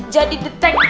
jadi detektif tau nggak